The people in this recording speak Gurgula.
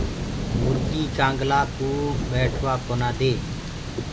مُرگي ڪآنگلآ ڪوُ بيٽو ڪونآ دي۔